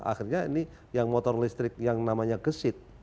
akhirnya ini yang motor listrik yang namanya gesit